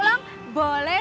walaupun mbak cah